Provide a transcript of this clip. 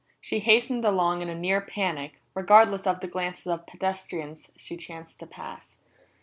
She hastened along in a near panic, regardless of the glances of pedestrians she chanced to pass.